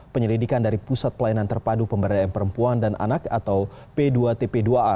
penyelidikan dari pusat pelayanan terpadu pemberdayaan perempuan dan anak atau p dua tp dua a